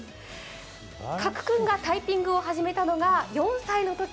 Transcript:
加来君がタイピングを始めたのが４歳のとき。